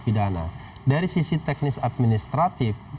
pidana dari sisi teknis administratif